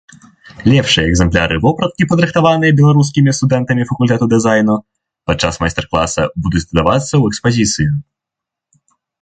Лепшыя экземпляры вопраткі, падрыхтаваныя беларускімі студэнтамі факультэта дызайну падчас майстар-класа, будуць дадавацца ў экспазіцыю.